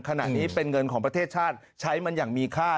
ขณะนี้เป็นเงินของประเทศชาติใช้มันอย่างมีค่า